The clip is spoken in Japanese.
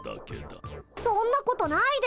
そんなことないです。